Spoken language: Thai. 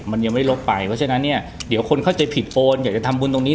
มันยังไม่ลบไปเพราะฉะนั้นเนี่ยเดี๋ยวคนเข้าใจผิดโฟนอยากจะทำบุญตรงนี้